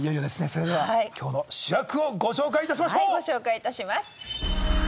それでは今日の主役をご紹介いたしましょうご紹介いたします